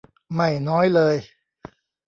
ไม่น้อยเลย